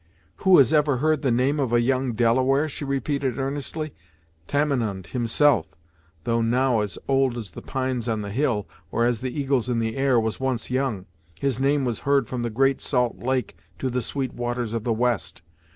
"Who has ever heard the name of a young Delaware?" she repeated earnestly. "Tamenund, himself, though now as old as the pines on the hill, or as the eagles in the air, was once young; his name was heard from the great salt lake to the sweet waters of the west.